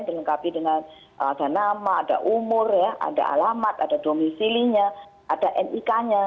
dilengkapi dengan ada nama ada umur ada alamat ada domisilinya ada nik nya